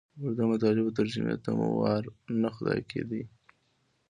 اوږدو مطالبو ترجمې ته مو وار نه خطا کېدئ.